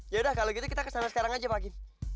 yaudah kalau gitu kita kesana sekarang aja pagi